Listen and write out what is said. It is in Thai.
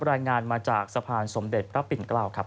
รายงานมาจากสะพานสมเด็จพระปิ่นเกล้าครับ